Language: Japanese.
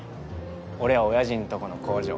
俺おやじんとこの工場。